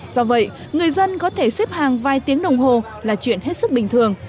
do vậy người dân có thể xếp hàng vài tiếng đồng hồ là chuyện hết sức bình thường